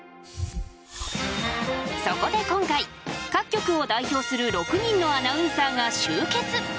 そこで今回各局を代表する６人のアナウンサーが集結！